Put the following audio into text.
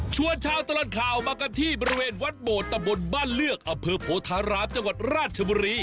ชาวตลอดข่าวมากันที่บริเวณวัดโบดตะบนบ้านเลือกอำเภอโพธารามจังหวัดราชบุรี